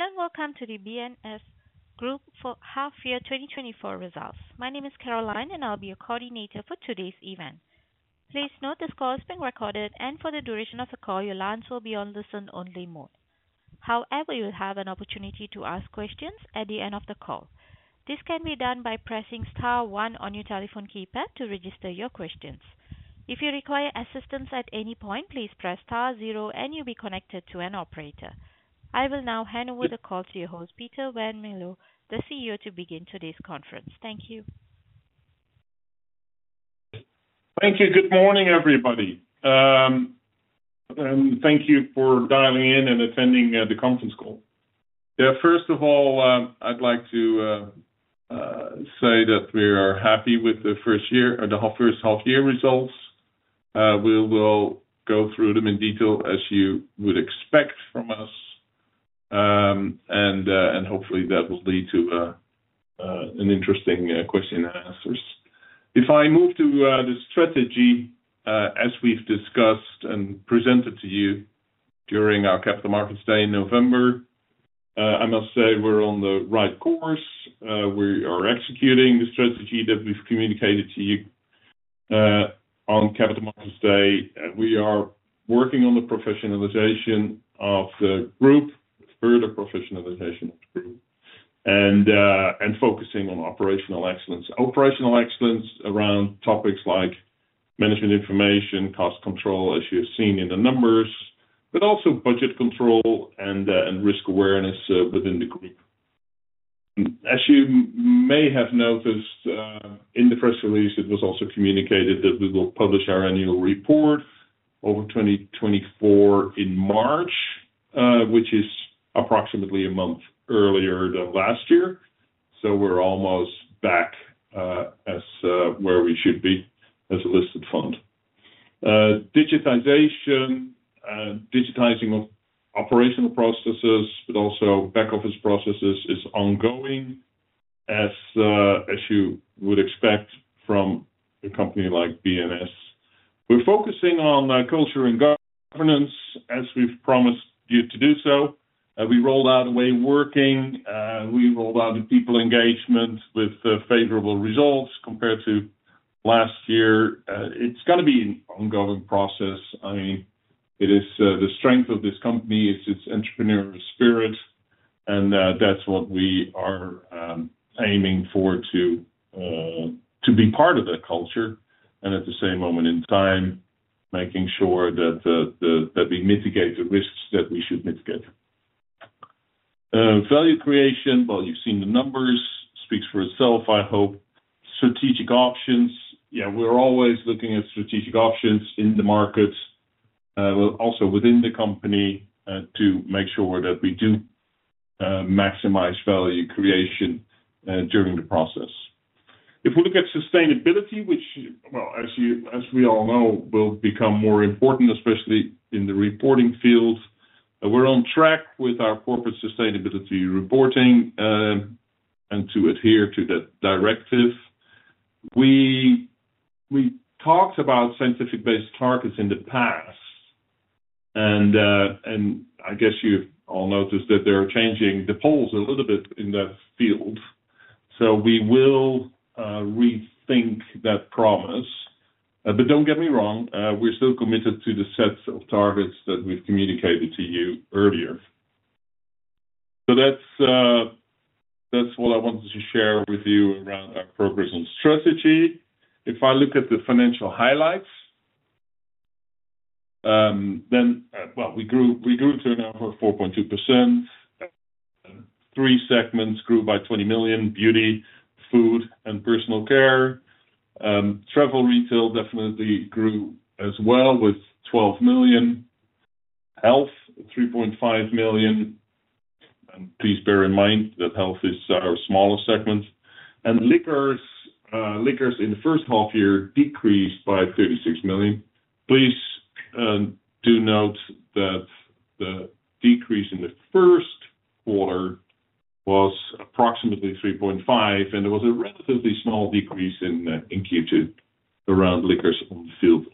Hello, and welcome to the B&S Group for half-year 2024 results. My name is Caroline, and I'll be your coordinator for today's event. Please note this call is being recorded, and for the duration of the call, your lines will be on listen-only mode. However, you'll have an opportunity to ask questions at the end of the call. This can be done by pressing star one on your telephone keypad to register your questions. If you require assistance at any point, please press star zero and you'll be connected to an operator. I will now hand over the call to your host, Peter van Mierlo, the CEO, to begin today's conference. Thank you. Thank you. Good morning, everybody. And thank you for dialing in and attending, the conference call. Yeah, first of all, I'd like to say that we are happy with the first year or the half—first half year results. We will go through them in detail, as you would expect from us. And hopefully that will lead to a, an interesting, question and answers. If I move to, the strategy, as we've discussed and presented to you during our Capital Markets Day in November, I must say, we're on the right course. We are executing the strategy that we've communicated to you, on Capital Markets Day. And we are working on the professionalization of the group, further professionalization of the group, and, and focusing on operational excellence. Operational excellence around topics like management information, cost control, as you have seen in the numbers, but also budget control and risk awareness within the group. As you may have noticed in the press release, it was also communicated that we will publish our annual report over 2024 in March, which is approximately a month earlier than last year, so we're almost back as where we should be as a listed fund. Digitization, digitizing of operational processes, but also back-office processes, is ongoing, as you would expect from a company like B&S. We're focusing on culture and governance, as we've promised you to do so. We rolled out a way of working, we rolled out the people engagement with favorable results compared to last year. It's gotta be an ongoing process. I mean, it is the strength of this company. It's its entrepreneurial spirit, and that's what we are aiming for, to be part of that culture, and at the same moment in time, making sure that that we mitigate the risks that we should mitigate. Value creation, well, you've seen the numbers, speaks for itself, I hope. Strategic options, yeah, we're always looking at strategic options in the markets, also within the company, to make sure that we do maximize value creation during the process. If we look at sustainability, which, well, as you, as we all know, will become more important, especially in the reporting field, we're on track with our corporate sustainability reporting, and to adhere to the directive. We, we talked about science-based targets in the past, and, and I guess you've all noticed that they're changing the goalposts a little bit in that field, so we will rethink that promise. But don't get me wrong, we're still committed to the sets of targets that we've communicated to you earlier. So that's, that's what I wanted to share with you around our progress and strategy. If I look at the financial highlights, then, well, we grew, we grew to a number of 4.2%. Three segments grew by 20 million: Beauty, Food, and Personal Care. Travel Retail definitely grew as well with 12 million. Health, 3.5 million. Please bear in mind that Health is our smallest segment. Liquors in the first half year decreased by 36 million. Please, do note that the decrease in the first quarter was approximately 3.5 million, and there was a relatively small decrease in Q2 around Liquors on the field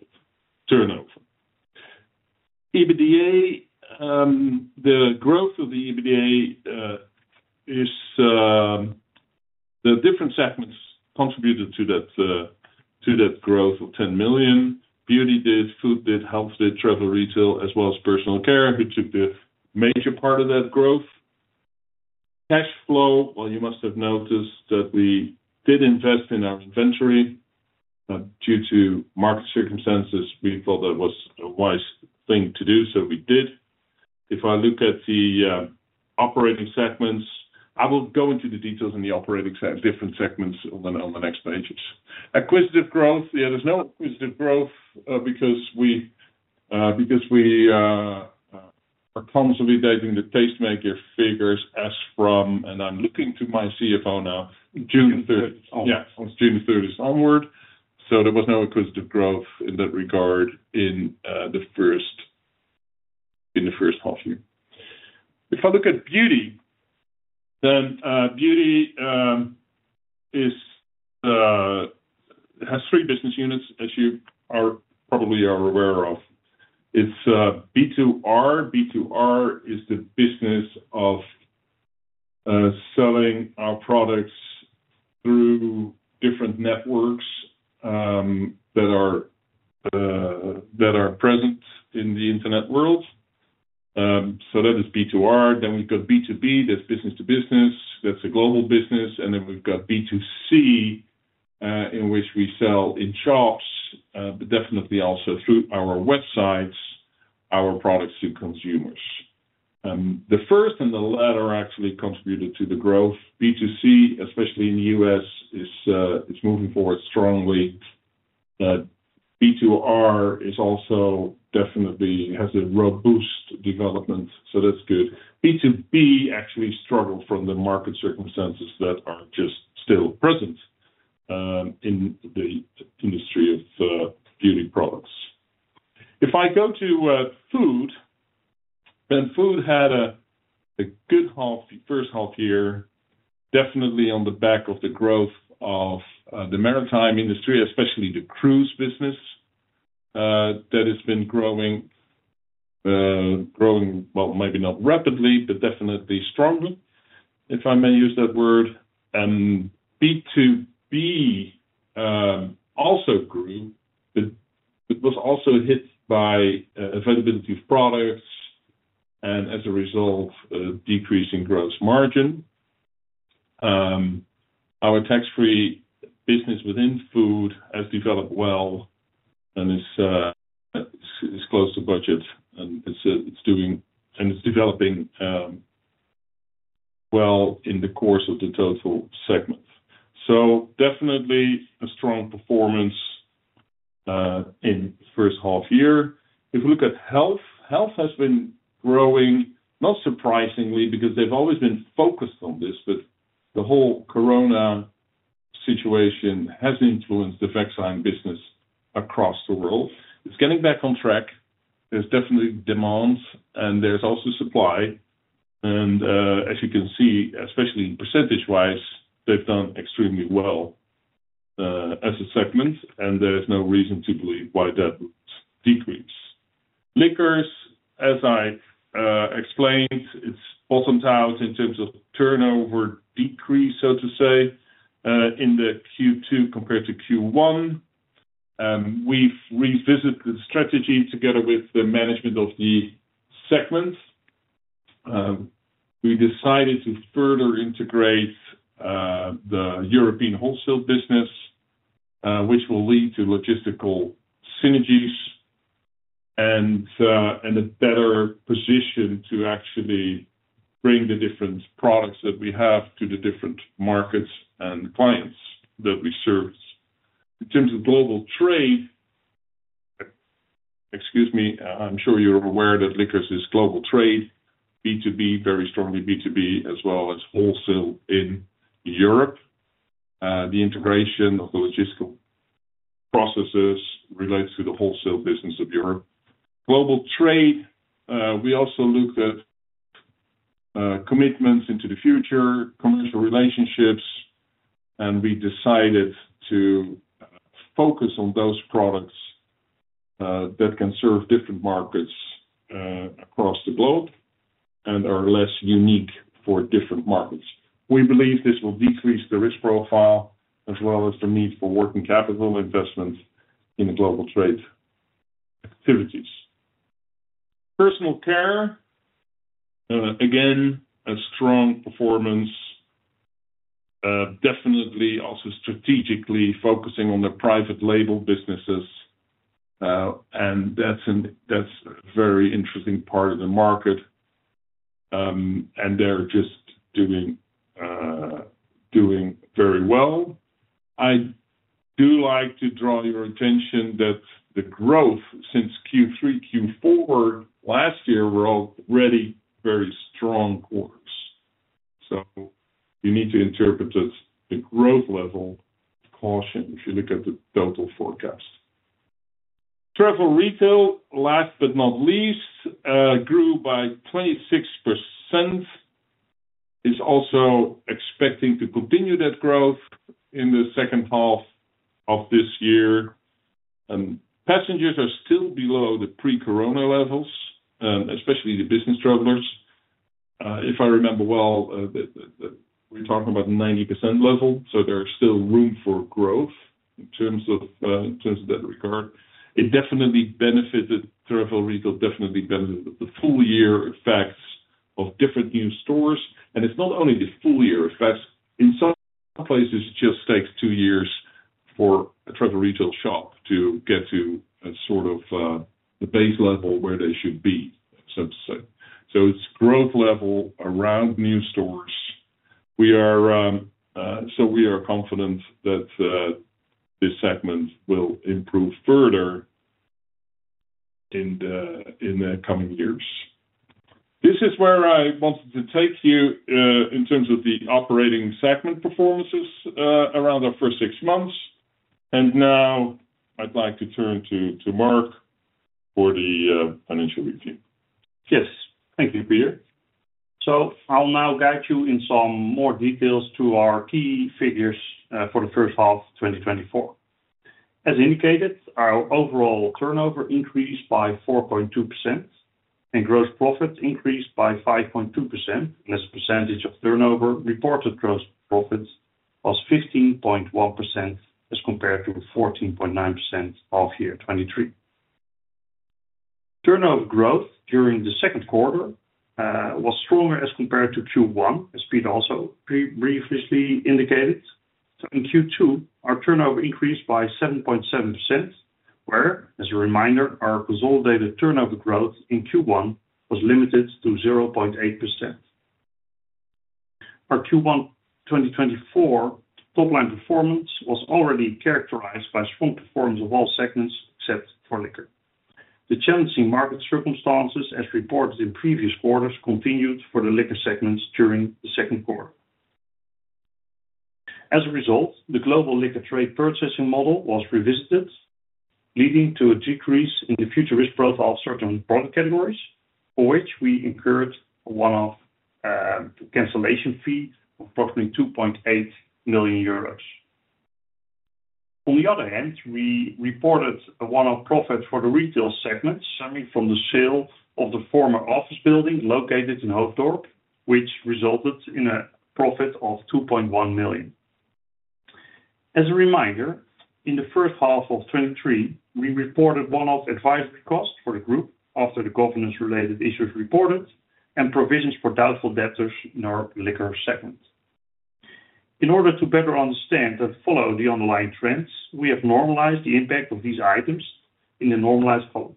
turnover. EBITDA, the growth of the EBITDA, is—the different segments contributed to that, to that growth of 10 million. Beauty did, Food did, Health did, Travel Retail, as well as Personal Care, who took the major part of that growth. Cash flow, well, you must have noticed that we did invest in our inventory. Due to market circumstances, we thought that was a wise thing to do, so we did. If I look at the operating segments, I will go into the details in the different segments on the next pages. Acquisitive growth. Yeah, there's no acquisitive growth because we are consolidating the Tastemakers figures as from—and I'm looking to my CFO now. June 30th. Yeah, on June 30th onward, so there was no acquisitive growth in that regard in the first half year. If I look at Beauty. Then Beauty is has three business units, as you are probably aware of. It's B2R. B2R is the business of selling our products through different networks that are present in the internet world. So that is B2R. Then we've got B2B, that's business to business. That's a global business. And then we've got B2C, in which we sell in shops, but definitely also through our websites, our products to consumers. The first and the latter actually contributed to the growth. B2C, especially in the U.S., is moving forward strongly, but B2R is also definitely has a robust development, so that's good. B2B actually struggled from the market circumstances that are just still present, in the industry of beauty products. If I go to Food, then Food had a good half, the first half year, definitely on the back of the growth of the maritime industry, especially the cruise business, that has been growing, well, maybe not rapidly, but definitely strongly, if I may use that word. B2B also grew, but it was also hit by availability of products, and as a result, a decrease in gross margin. Our tax-free business within Food has developed well and is close to budget, and it's developing well in the course of the total segment. So definitely a strong performance in the first half year. If you look at Health, Health has been growing, not surprisingly, because they've always been focused on this, but the whole corona situation has influenced the vaccine business across the world. It's getting back on track. There's definitely demands, and there's also supply, and, as you can see, especially in percentage-wise, they've done extremely well, as a segment, and there is no reason to believe why that would decrease. Liquors, as I explained, it's bottomed out in terms of turnover decrease, so to say, in the Q2 compared to Q1. We've revisited the strategy together with the management of the segments. We decided to further integrate, the European wholesale business, which will lead to logistical synergies and, and a better position to actually bring the different products that we have to the different markets and clients that we service. In terms of global trade, excuse me, I'm sure you're aware that Liquors is global trade, B2B, very strongly B2B, as well as wholesale in Europe. The integration of the logistical processes relates to the wholesale business of Europe. Global trade, we also looked at commitments into the future, commercial relationships, and we decided to focus on those products that can serve different markets across the globe and are less unique for different markets. We believe this will decrease the risk profile, as well as the need for working capital investments in the global trade activities. Personal Care, again, a strong performance, definitely also strategically focusing on the private label businesses, and that's an, that's a very interesting part of the market, and they're just doing, doing very well. I do like to draw your attention that the growth since Q3, Q4 last year were already very strong quarters, so you need to interpret that the growth level with caution if you look at the total forecast. Travel Retail, last but not least, grew by 26%. It's also expecting to continue that growth in the second half of this year. Passengers are still below the pre-corona levels, especially the business travelers. If I remember well, we're talking about 90% level, so there is still room for growth in terms of that regard. It definitely benefited. Travel Retail definitely benefited the full-year effects of different new stores, and it's not only the full-year effects. In some places, it just takes two years for a Travel Retail shop to get to a sort of the base level where they should be, so to say. So it's growth level around new stores. We are so we are confident that this segment will improve further in the coming years. This is where I wanted to take you in terms of the operating segment performances around the first six months, and now I'd like to turn to Mark for the financial review. Yes, thank you, Peter. So I'll now guide you in some more details to our key figures for the first half of 2024. As indicated, our overall turnover increased by 4.2%, and gross profit increased by 5.2%. As a percentage of turnover, reported gross profit was 15.1% as compared to the 14.9% of year 2023. Turnover growth during the second quarter was stronger as compared to Q1, as Peter also previously indicated. So in Q2, our turnover increased by 7.7%, where, as a reminder, our consolidated turnover growth in Q1 was limited to 0.8%. Our Q1 2024 top-line performance was already characterized by strong performance of all segments, except for Liquor. The challenging market circumstances, as reported in previous quarters, continued for the Liquor segments during the second quarter. As a result, the global Liquor trade purchasing model was revisited, leading to a decrease in the future risk profile of certain product categories, for which we incurred a one-off cancellation fee of approximately 2.8 million euros. On the other hand, we reported a one-off profit for the Retail segment, stemming from the sale of the former office building located in Hoofddorp, which resulted in a profit of 2.1 million. As a reminder, in the first half of 2023, we reported one-off advisory costs for the group after the governance-related issues reported and provisions for doubtful debtors in our Liquor segment. In order to better understand and follow the underlying trends, we have normalized the impact of these items in the normalized columns.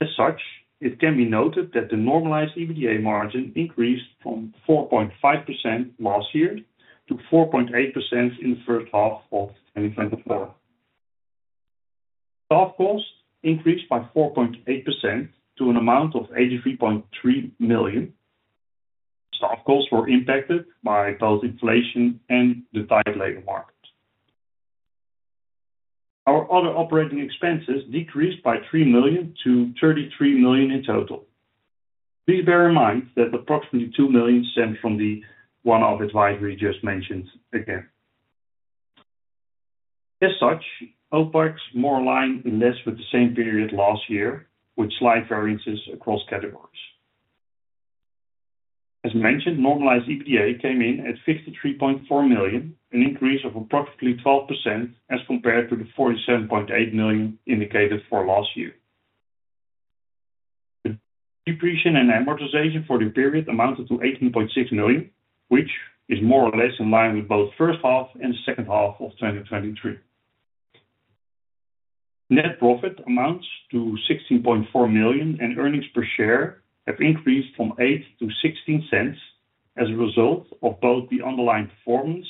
As such, it can be noted that the normalized EBITDA margin increased from 4.5% last year to 4.8% in the first half of 2024. Staff costs increased by 4.8% to an amount of 83.3 million. Staff costs were impacted by both inflation and the tight labor market. Our other operating expenses decreased by 3 million to 33 million in total. Please bear in mind that approximately 2 million stemmed from the one-off advisory just mentioned again. As such, OpEx more aligned in this with the same period last year, with slight variances across categories. As mentioned, normalized EBITDA came in at 53.4 million, an increase of approximately 12% as compared to the 47.8 million indicated for last year. Depreciation and amortization for the period amounted to 18.6 million, which is more or less in line with both first half and second half of 2023. Net profit amounts to 16.4 million, and earnings per share have increased from 0.08 to 0.16 as a result of both the underlying performance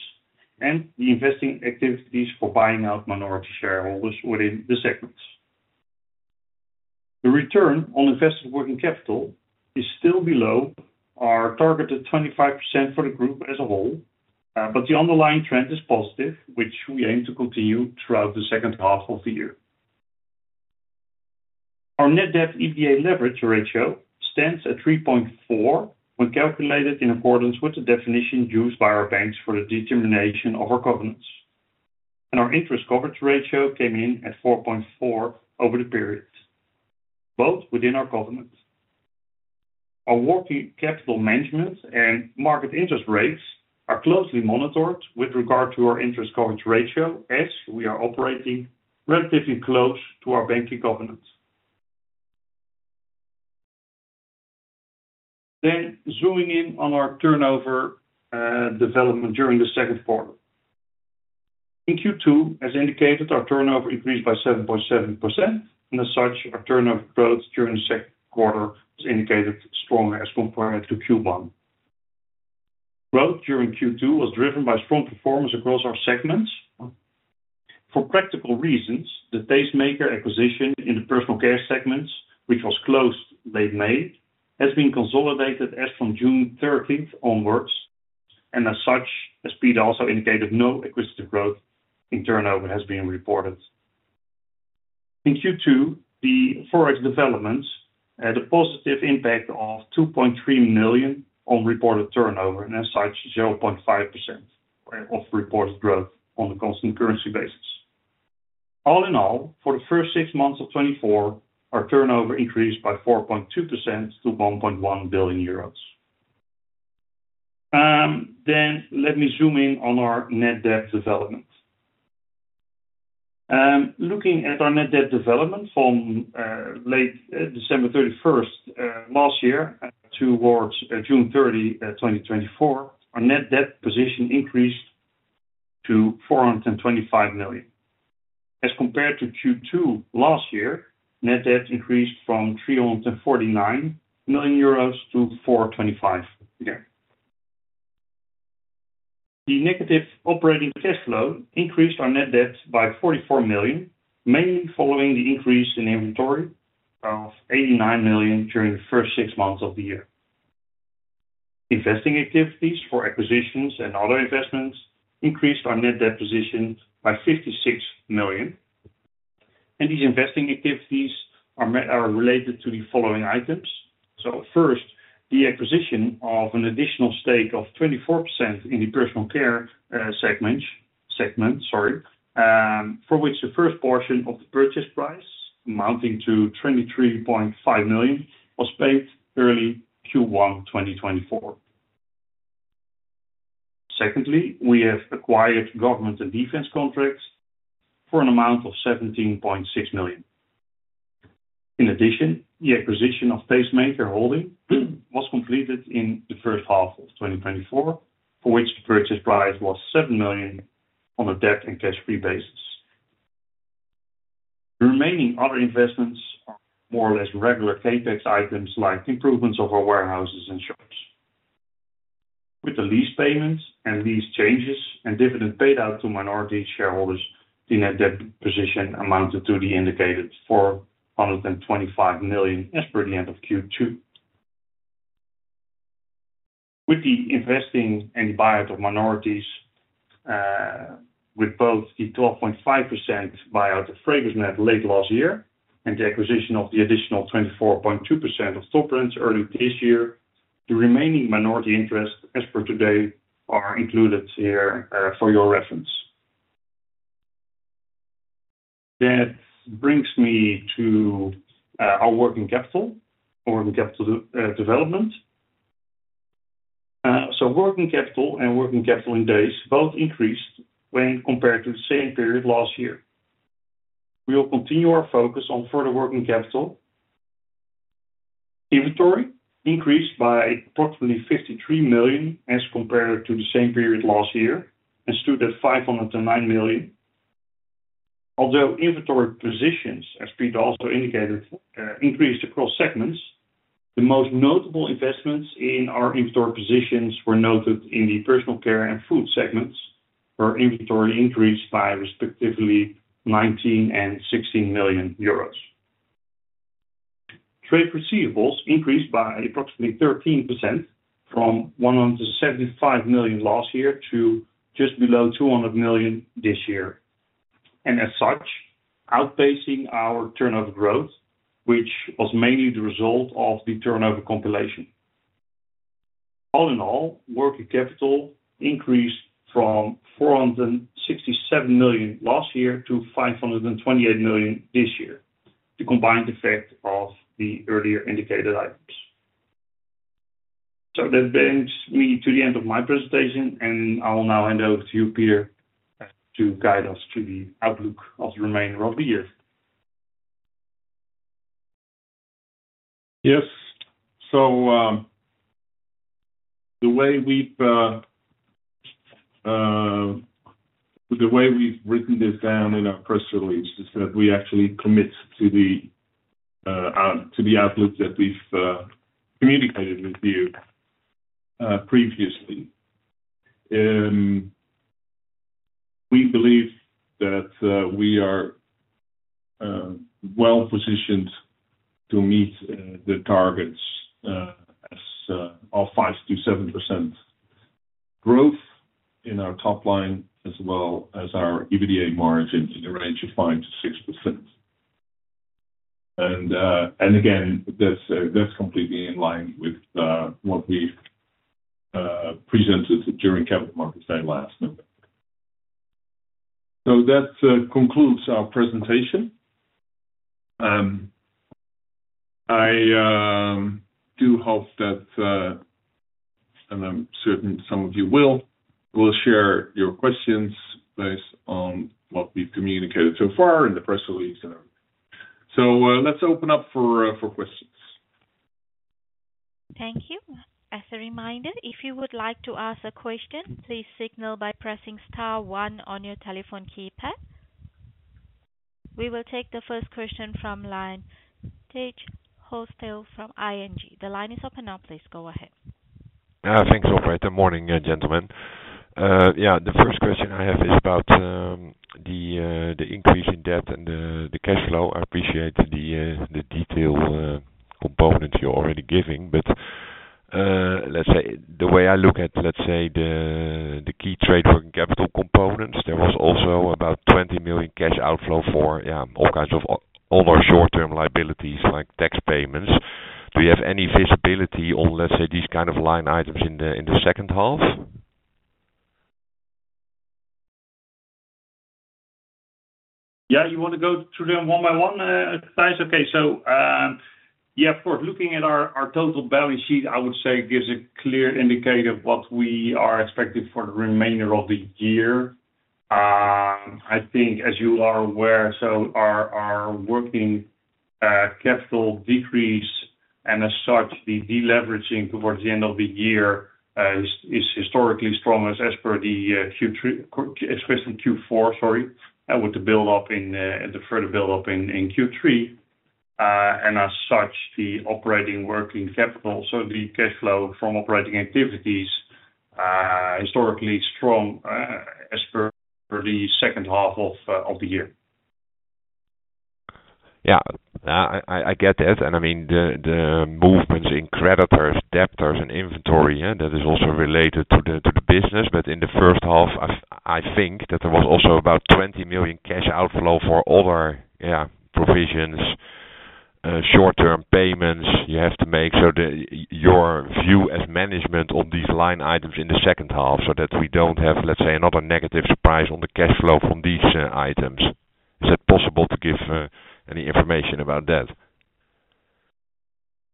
and the investing activities for buying out minority shareholders within the segments. The return on invested working capital is still below our targeted 25% for the group as a whole, but the underlying trend is positive, which we aim to continue throughout the second half of the year. Our net debt-to-EBITDA leverage ratio stands at 3.4 when calculated in accordance with the definition used by our banks for the determination of our covenants, and our Interest Coverage Ratio came in at 4.4 over the period, both within our covenants. Our working capital management and market interest rates are closely monitored with regard to our Interest Coverage Ratio, as we are operating relatively close to our banking covenants, then zooming in on our turnover, development during the second quarter. In Q2, as indicated, our turnover increased by 7.7%, and as such, our turnover growth during the second quarter is indicated stronger as compared to Q1. Growth during Q2 was driven by strong performance across our segments. For practical reasons, the Tastemakers acquisition in the Personal Care segments, which was closed late May, has been consolidated as from June 13 onwards, and as such, as Peter also indicated, no acquisitive growth in turnover has been reported. In Q2, the Forex developments had a positive impact of 2.3 million on reported turnover, and as such, 0.5% of reported growth on a constant currency basis. All in all, for the first six months of 2024, our turnover increased by 4.2% to 1.1 billion euros. Then let me zoom in on our net debt development. Looking at our net debt development from late December 31st last year towards June 30, 2024, our net debt position increased to 425 million. As compared to Q2 last year, net debt increased from 349 million euros to 425 million again. The negative operating cash flow increased our net debt by 44 million, mainly following the increase in inventory of 89 million during the first six months of the year. Investing activities for acquisitions and other investments increased our net debt position by 56 million, and these investing activities are related to the following items, so first, the acquisition of an additional stake of 24% in the Personal Care segment, for which the first portion of the purchase price, amounting to 23.5 million, was paid early Q1 2024. Secondly, we have acquired government and defense contracts for an amount of 17.6 million. In addition, the acquisition of Tastemakers was completed in the first half of 2024, for which the purchase price was 7 million on a debt and cash-free basis. The remaining other investments are more or less regular CapEx items, like improvements of our warehouses and shops. With the lease payments and lease changes and dividend paid out to minority shareholders, the net debt position amounted to the indicated 425 million as per the end of Q2. With the investing and buyout of minorities, with both the 12.5% buyout of FragranceNet late last year and the acquisition of the additional 24.2% of Topbrands earlier this year, the remaining minority interest as per today are included here, for your reference. That brings me to, our working capital or the capital, development. So working capital and working capital in days both increased when compared to the same period last year. We will continue our focus on further working capital. Inventory increased by approximately 53 million as compared to the same period last year, and stood at 509 million. Although inventory positions, as Peter also indicated, increased across segments, the most notable investments in our inventory positions were noted in the Personal Care and Food segments, where inventory increased by respectively 19 million and 16 million euros. Trade receivables increased by approximately 13% from 175 million last year to just below 200 million this year, and as such, outpacing our turnover growth, which was mainly the result of the turnover compilation. All in all, working capital increased from 467 million last year to 528 million this year, the combined effect of the earlier indicated items. So that brings me to the end of my presentation, and I will now hand over to you, Peter, to guide us through the outlook of the remainder of the year. Yes. So, the way we've written this down in our press release is that we actually commit to the to the outlook that we've communicated with you previously. We believe that we are well positioned to meet the targets of 5%-7% growth in our top line, as well as our EBITDA margin in the range of 5%-6%. And again, that's completely in line with what we've presented during Capital Markets Day last November. So that concludes our presentation. I do hope that—and I'm certain some of you will share your questions based on what we've communicated so far in the press release. So, let's open up for questions. Thank you. As a reminder, if you would like to ask a question, please signal by pressing star one on your telephone keypad. We will take the first question from line, Tijs Hollestelle from ING. The line is open now. Please go ahead. Thanks, operator. Morning, gentlemen. Yeah, the first question I have is about the increase in debt and the cash flow. I appreciate the detailed components you're already giving, but let's say, the way I look at the key trade working capital components, there was also about 20 million cash outflow for all kinds of all our short-term liabilities, like tax payments. Do you have any visibility on, let's say, these kind of line items in the second half? Yeah, you want to go through them one by one, Tijs? Okay. So, yeah, of course, looking at our total balance sheet, I would say, gives a clear indicator of what we are expecting for the remainder of the year. I think as you are aware, so our working capital decrease, and as such, the deleveraging towards the end of the year, is historically strong as per the Q3, especially Q4, sorry, with the build up in the further build up in Q3. And as such, the operating working capital, so the cash flow from operating activities, historically strong, as per the second half of the year. Yeah, I get that. And I mean, the movements in creditors, debtors, and inventory, yeah, that is also related to the business. But in the first half, I think that there was also about 20 million cash outflow for other provisions, short-term payments you have to make. So your view as management on these line items in the second half, so that we don't have, let's say, another negative surprise on the cash flow from these items. Is it possible to give any information about that?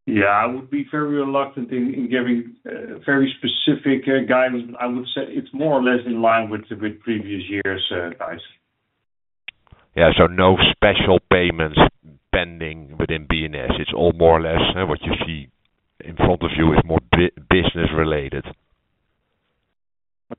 Yeah, I would be very reluctant in giving very specific guidance. I would say it's more or less in line with previous years, guys. Yeah, so no special payments pending within B&S. It's all more or less, what you see in front of you is more business related.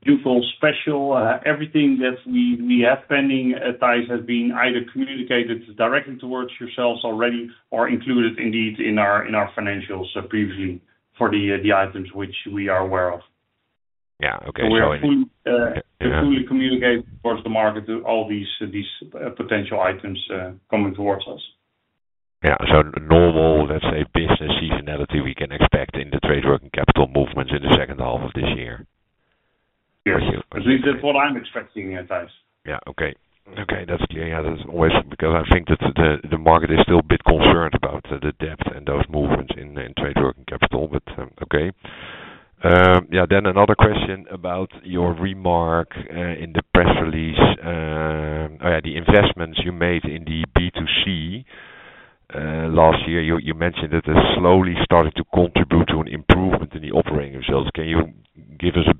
Beautiful, special. Everything that we have pending, Tijs, has been either communicated directly towards yourselves already or included indeed in our financials previously for the items which we are aware of. Yeah. Okay, We're fully, we fully communicate towards the market all these potential items coming towards us. Yeah, so normal, let's say, business seasonality we can expect in the trade working capital movements in the second half of this year? Yes. At least that's what I'm expecting here, Tijs. Yeah. Okay. That's always—because I think that the market is still a bit concerned about the debt and those movements in trade working capital, but okay. Yeah, then another question about your remark in the press release. Yeah, the investments you made in the B2C last year. You mentioned that it slowly started to contribute to an improvement in the operating results. Can you give us a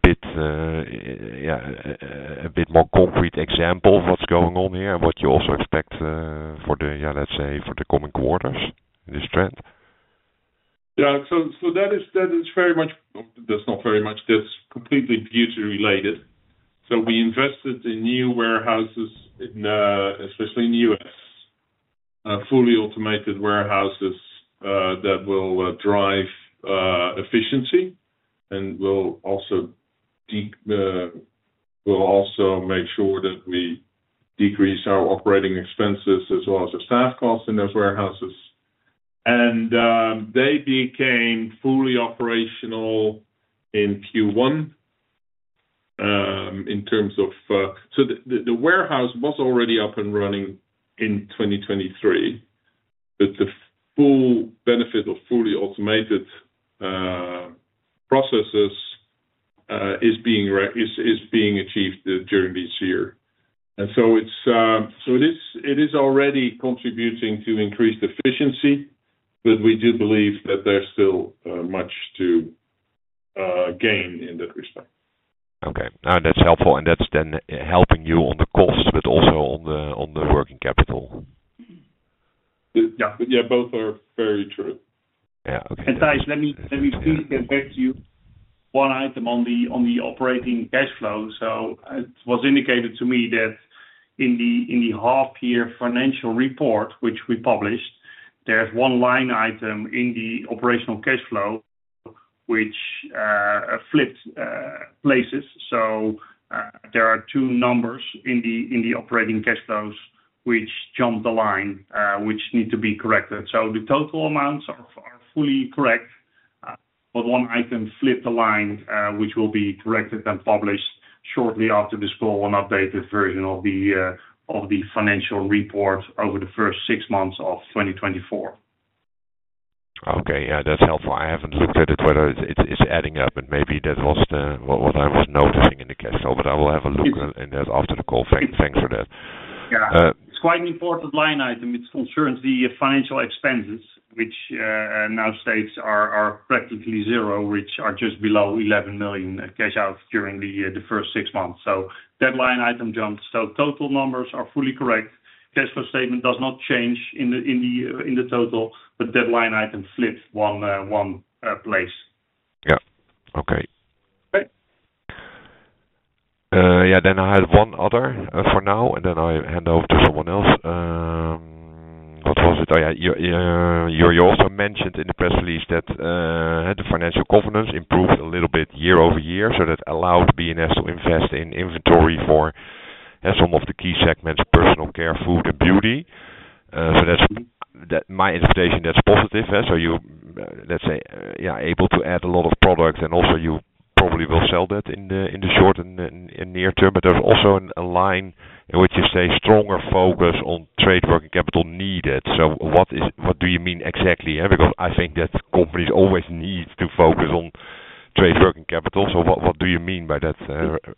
bit more concrete example of what's going on here and what you also expect for, let's say, the coming quarters, this trend? Yeah. That is very much. That's not very much, that's completely Beauty-related. So we invested in new warehouses in, especially in U.S. Fully automated warehouses that will drive efficiency, and will also make sure that we decrease our operating expenses as well as the staff costs in those warehouses. And they became fully operational in Q1, in terms of. So the warehouse was already up and running in 2023, but the full benefit of fully automated processes is being achieved during this year. And so it is already contributing to increased efficiency, but we do believe that there's still much to gain in that respect. Okay. That's helpful, and that's then helping you on the cost, but also on the working capital. Yeah. Yeah, both are very true. Yeah. Okay. Tijs, let me quickly get back to you. One item on the operating cash flow. So it was indicated to me that in the half year financial report, which we published, there's one line item in the operational cash flow, which flipped places. So there are two numbers in the operating cash flow, which jumped the line, which need to be corrected. So the total amounts are fully correct, but one item flipped the line, which will be corrected and published shortly after this call, an updated version of the financial report over the first six months of 2024. Okay. Yeah, that's helpful. I haven't looked at it, whether it's adding up, but maybe that was what I was noticing in the cash flow, but I will have a look at that after the call. Thanks for that. Yeah. It's quite an important line item. It concerns the financial expenses, which now states are practically zero, which are just below eleven million cash out during the first six months. So that line item jumped. So total numbers are fully correct. Cash flow statement does not change in the total, but that line item slipped one place. Yeah. Okay. Okay. Yeah, then I had one other, for now, and then I hand over to someone else. What was it? Oh, yeah. You also mentioned in the press release that, the financial governance improved a little bit year, so that allowed B&S to invest in inventory for, some of the key segments, Personal Care, Food, and Beauty. So that's my interpretation, that's positive, so you, let's say, yeah, able to add a lot of products, and also you probably will sell that in the short and near term. But there's also a line in which you say, stronger focus on trade working capital needed. So what is—what do you mean exactly? Because I think that companies always need to focus on trade working capital. So what do you mean by that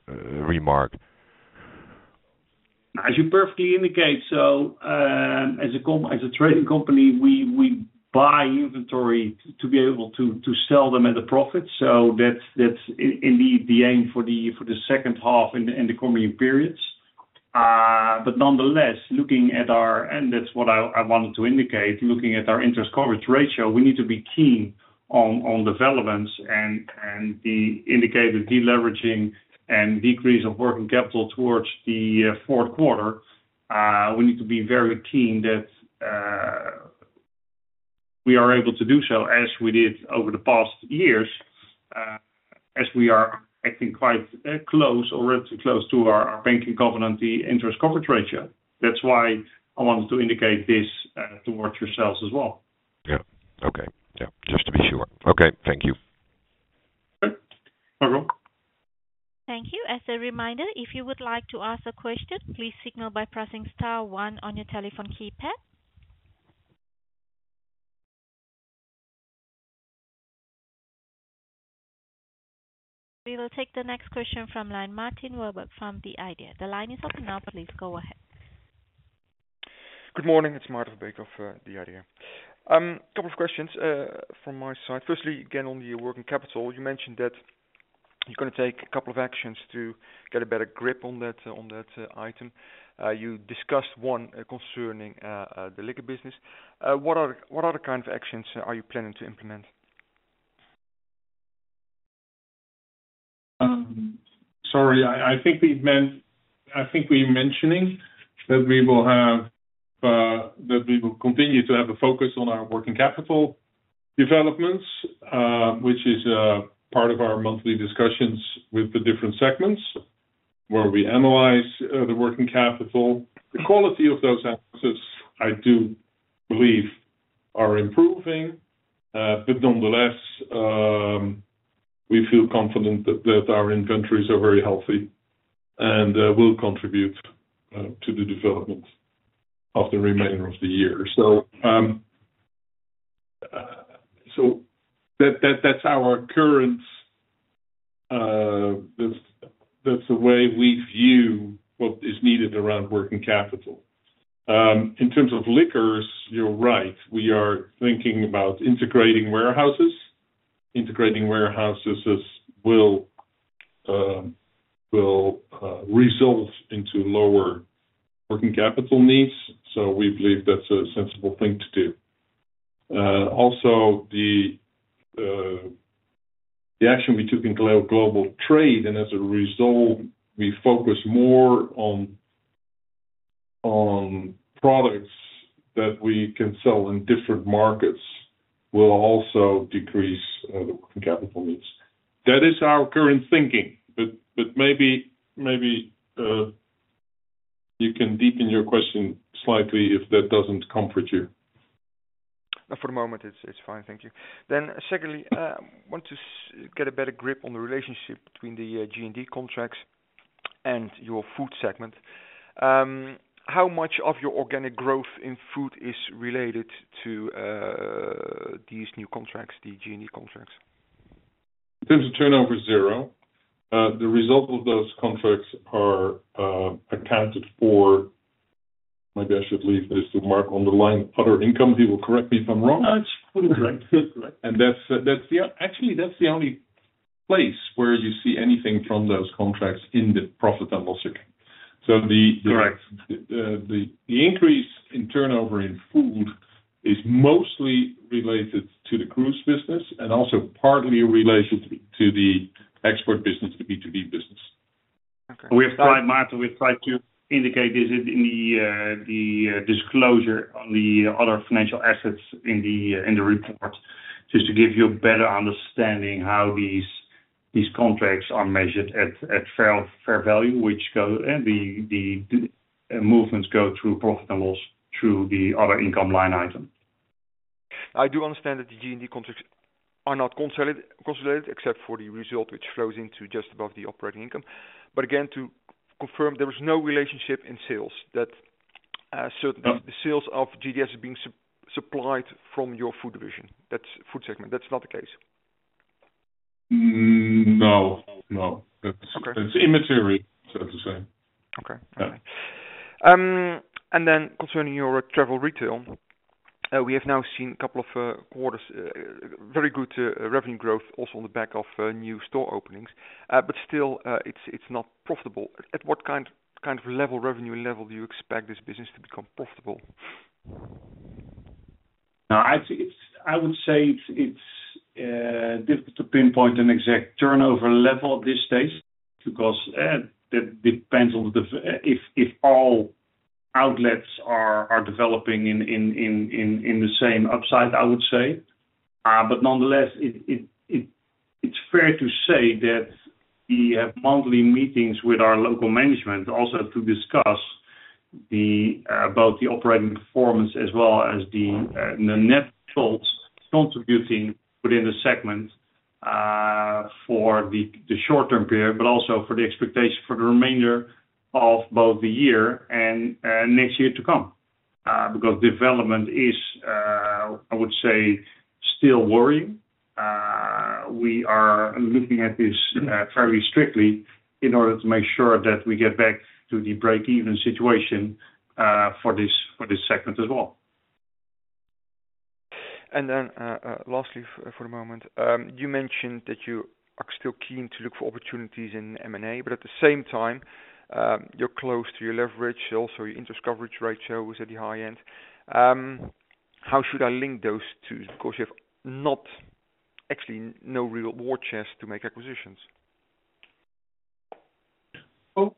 remark? As you perfectly indicate, so, as a trading company, we buy inventory to be able to sell them at a profit. So that's indeed the aim for the second half in the coming periods. But nonetheless, And that's what I wanted to indicate, looking at our Interest Coverage Ratio, we need to be keen on developments and the indicated deleveraging and decrease of working capital towards the fourth quarter. We need to be very keen that we are able to do so, as we did over the past years, as we are acting quite close or relatively close to our banking covenant, the Interest Coverage Ratio. That's why I wanted to indicate this towards yourselves as well. Yeah. Okay. Yeah, just to be sure. Okay, thank you. Right, farewell. Thank you. As a reminder, if you would like to ask a question, please signal by pressing star one on your telephone keypad. We will take the next question from line, Maarten Verbeek from the IDEA! The line is open now, please go ahead. Good morning, it's Maarten Verbeek of the IDEA! Couple of questions from my side. Firstly, again, on the working capital, you mentioned that you're gonna take a couple of actions to get a better grip on that item. You discussed one concerning the Liquor business. What other kinds of actions are you planning to implement? Sorry, I think we're mentioning that we will have that we will continue to have a focus on our working capital developments, which is part of our monthly discussions with the different segments, where we analyze the working capital. The quality of those analysis, I do believe, are improving. But nonetheless, we feel confident that that our inventories are very healthy and will contribute to the development of the remainder of the year. So, so that, that's our current, that's the way we view what is needed around working capital. In terms of Liquors, you're right, we are thinking about integrating warehouses. Integrating warehouses is, will, will result into lower working capital needs, so we believe that's a sensible thing to do. Also the action we took in global trade, and as a result, we focus more on products that we can sell in different markets will also decrease the working capital needs. That is our current thinking, but maybe you can deepen your question slightly if that doesn't comfort you. For the moment, it's, it's fine. Thank you. Then secondly, want to get a better grip on the relationship between the G&D contracts and your Food segment. How much of your organic growth in Food is related to these new contracts, the G&D contracts? In terms of turnover, zero. The result of those contracts are accounted for. Maybe I should leave this to Mark on the line. Other income, he will correct me if I'm wrong. It's completely right. That's actually the only place where you see anything from those contracts in the profit and loss account. So the increase in turnover in Food is mostly related to the cruise business, and also partly related to the export business, the B2B business. Okay. We have tried, Maarten. We've tried to indicate this in the disclosure on the other financial assets in the report, just to give you a better understanding how these contracts are measured at fair value, which go, and the movements go through profit and loss through the other income line item. I do understand that the G&D contracts are not consolidated, except for the result, which flows into just above the operating income. But again, to confirm, there was no relationship in sales that certain— No. The sales of G&D are being supplied from your Food division, that's Food segment. That's not the case? No, no. Okay. That's immaterial, so to say. Okay. Yeah. And then, concerning your Travel Retail, we have now seen a couple of quarters, very good revenue growth, also on the back of new store openings. But still, it's not profitable. At what kind of level, revenue level, do you expect this business to become profitable? Now, I think it's. I would say it's difficult to pinpoint an exact turnover level at this stage, because that depends on if all outlets are developing in the same upside, I would say. But nonetheless, it's fair to say that we have monthly meetings with our local management, also to discuss both the operating performance as well as the net results contributing within the segment, for the short-term period, but also for the expectation for the remainder of both the year and next year to come. Because development is, I would say, still worrying. We are looking at this very strictly in order to make sure that we get back to the break-even situation, for this segment as well. And then, lastly, for the moment, you mentioned that you are still keen to look for opportunities in M&A, but at the same time, you're close to your leverage. Also, your interest coverage ratio was at the high end. How should I link those two? Because you have not actually no real war chest to make acquisitions. Well,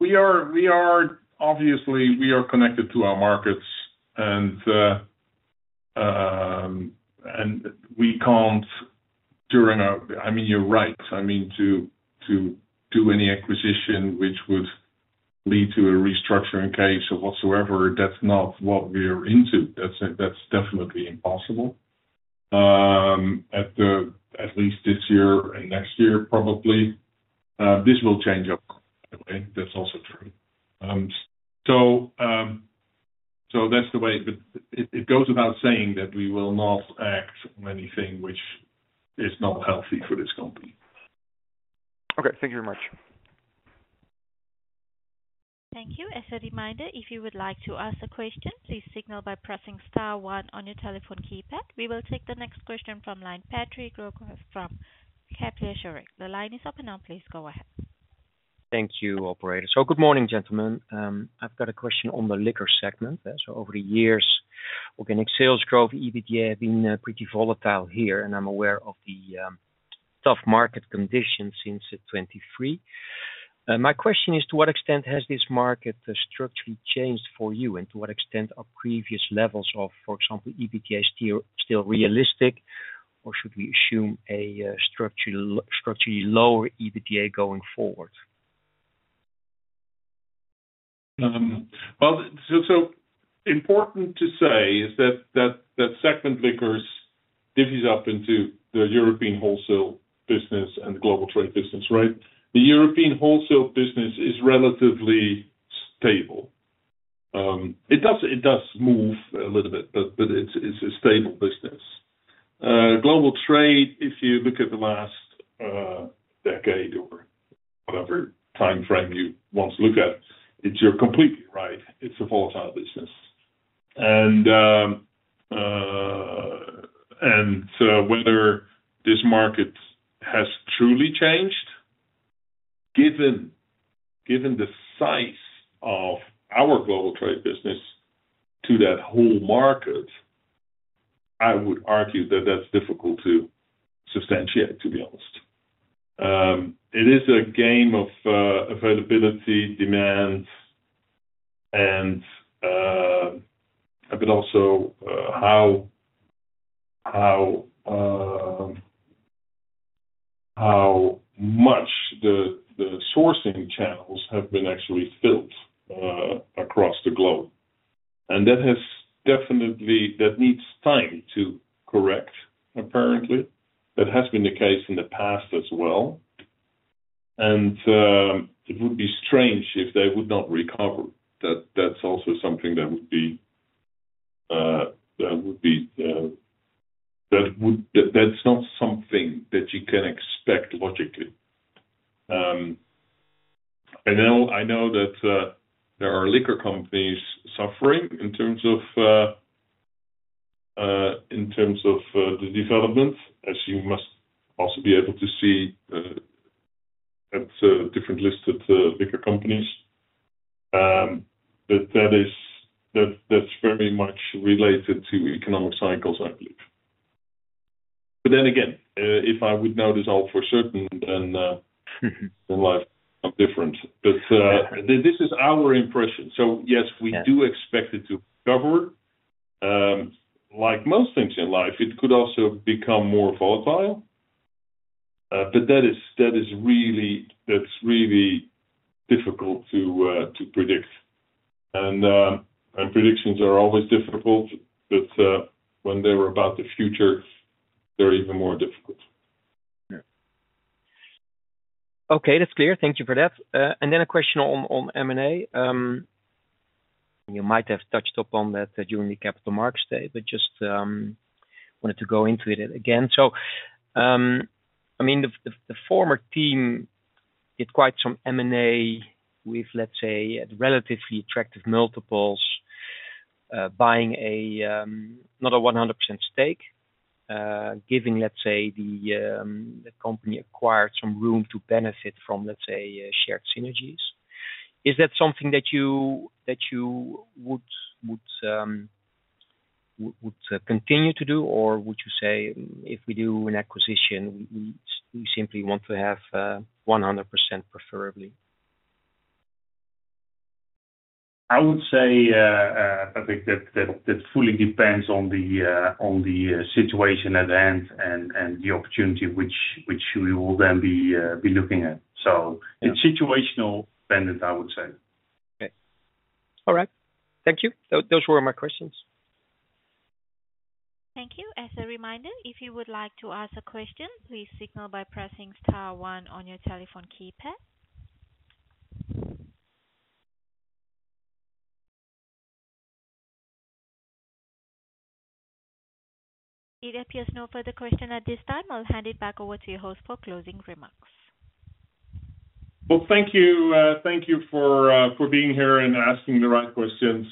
we are obviously connected to our markets, and we can't during a—I mean, you're right. I mean, to do any acquisition which would lead to a restructuring case or whatsoever, that's not what we're into. That's definitely impossible. At least this year and next year, probably this will change up, okay? That's also true. So that's the way, but it goes without saying that we will not act on anything which is not healthy for this company. Okay, thank you very much. Thank you. As a reminder, if you would like to ask a question, please signal by pressing star one on your telephone keypad. We will take the next question from line, Patrick Roquas from Kepler Cheuvreux. The line is open now, please go ahead. Thank you, operator. So good morning, gentlemen. I've got a question on the Liquor segment. So over the years, organic sales growth, EBITDA, have been pretty volatile here, and I'm aware of the tough market conditions since 2023. My question is, to what extent has this market structurally changed for you? And to what extent are previous levels of, for example, EBITDA still realistic, or should we assume a structural, structurally lower EBITDA going forward? Important to say is that the Liquor segment divvies up into the European wholesale business and the global trade business, right? The European wholesale business is relatively stable. It does move a little bit, but it's a stable business. Global trade, if you look at the last decade or whatever timeframe you want to look at, it's—you're completely right. It's a volatile business, so whether this market has truly changed, given the size of our global trade business to that whole market, I would argue that that's difficult to substantiate, to be honest. It is a game of availability, demand, and but also how much the sourcing channels have been actually filled across the globe. That has definitely, that needs time to correct, apparently. That has been the case in the past as well, and it would be strange if they would not recover. That's also something that would be. That's not something that you can expect logically. I know that there are liquor companies suffering in terms of the development, as you must also be able to see at a different list of liquor companies. But that is, that's very much related to economic cycles, I believe. But then again, if I would know this all for certain, then life are different. But this is our impression. Yes, we do expect it to recover. Like most things in life, it could also become more volatile. But that is really difficult to predict. Predictions are always difficult, but when they're about the future, they're even more difficult. Yeah. Okay, that's clear. Thank you for that. And then a question on M&A. You might have touched upon that during the Capital Markets Day, but just wanted to go into it again. So, I mean, the former team did quite some M&A with, let's say, at relatively attractive multiples, buying, not a 100% stake, giving, let's say, the company acquired some room to benefit from, let's say, shared synergies. Is that something that you would continue to do? Or would you say, if we do an acquisition, we simply want to have 100%, preferably? I would say, I think that fully depends on the situation at hand and the opportunity which we will then be looking at. So it's situational dependent, I would say. Okay. All right. Thank you. Those, those were my questions. Thank you. As a reminder, if you would like to ask a question, please signal by pressing star one on your telephone keypad. There appears no further question at this time. I'll hand it back over to your host for closing remarks. Thank you, thank you for being here and asking the right questions.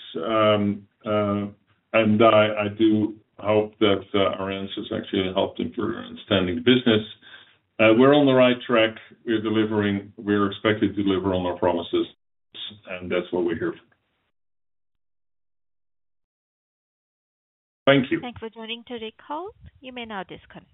I do hope that our answers actually helped in understanding the business. We're on the right track. We're delivering—we're expected to deliver on our promises, and that's what we're here for. Thank you. Thanks for joining today's call. You may now disconnect.